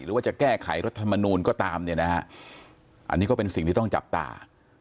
หรือว่าจะแก้ไขรัฐมนูลก็ตามเนี่ยนะฮะอันนี้ก็เป็นสิ่งที่ต้องจับตา